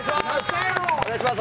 お願いします。